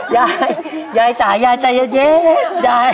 ยายยายจ๋ายายใจเย็นยาย